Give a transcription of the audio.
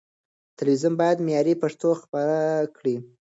تلويزيون بايد معياري پښتو خپره کړي.